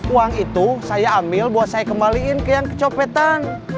uang itu saya ambil buat saya kembaliin ke yang kecopetan